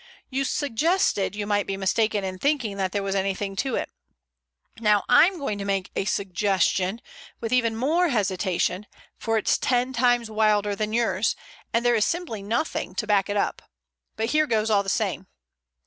"You suggested you might be mistaken in thinking there was anything in it. Now I'm going to make a suggestion with even more hesitation, for it's ten times wilder than yours, and there is simply nothing to back it up. But here goes all the same."